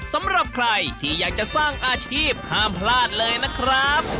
สำหรับใครที่อยากจะสร้างอาชีพห้ามพลาดเลยนะครับ